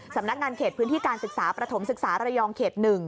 สำนักงานเขตพื้นที่การศึกษาประถมศึกษาระยองเขต๑